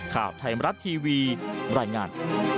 ขอบไทยมรัฐทีวีบรรยายงาน